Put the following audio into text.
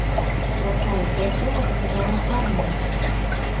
Рашаючае слова сказала армія.